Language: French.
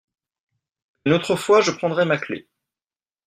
Une autre fois, je prendrai ma clef.